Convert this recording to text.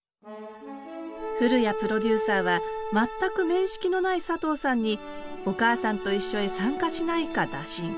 古屋プロデューサーは全く面識のない佐藤さんに「おかあさんといっしょ」へ参加しないか打診。